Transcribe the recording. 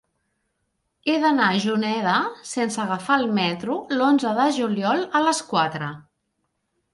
He d'anar a Juneda sense agafar el metro l'onze de juliol a les quatre.